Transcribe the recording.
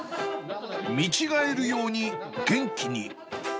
見違えるように元気に。